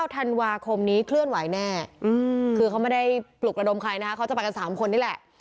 ธันวาคมนี้เคลื่อนไหวแน่คือเขาไม่ได้ปลุกระดมใครนะคะเขาจะไปกัน๓คนนี่แหละ